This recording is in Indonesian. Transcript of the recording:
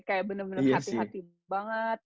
kayak bener bener hati hati banget